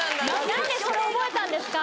何でそれ覚えたんですか？